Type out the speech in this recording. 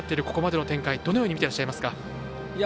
ここまでの展開、どのように見ていらっしゃいますか。